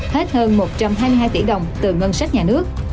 hết hơn một trăm hai mươi hai tỷ đồng từ ngân sách nhà nước